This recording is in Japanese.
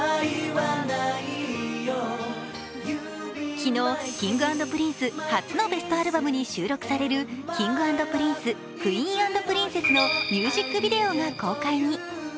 昨日、Ｋｉｎｇ＆Ｐｒｉｎｃｅ初のベストアルバムに収録される「Ｋｉｎｇ＆Ｐｒｉｎｃｅ，Ｑｕｅｅｎ＆Ｐｒｉｎｃｅｓｓ」のミュージックビデオが公開に。